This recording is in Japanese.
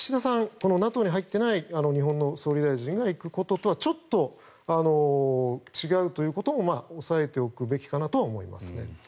このＮＡＴＯに入っていない日本の総理大臣が行くこととはちょっと違うということも押さえておくべきかなとは思いますね。